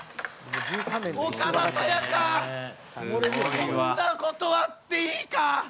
こんな事あっていいか？